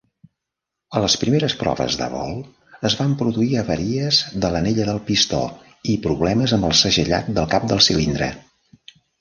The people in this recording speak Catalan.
A les primeres proves de vol es van produir avaries de l'anella del pistó i problemes amb el segellat del cap del cilindre.